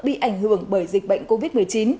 bị ảnh hưởng bởi dịch bệnh covid một mươi chín